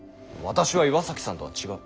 私は岩崎さんとは違う！